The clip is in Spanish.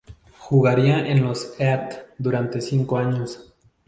Jugaría en los Heat durante cinco años.